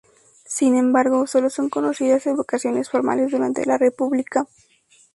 Sin embargo, sólo son conocidas evocaciones formales durante la República.